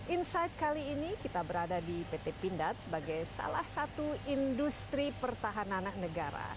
insight kali ini kita berada di pt pindad sebagai salah satu industri pertahanan negara